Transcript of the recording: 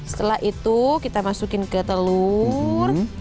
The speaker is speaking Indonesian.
setelah itu kita masukin ke telur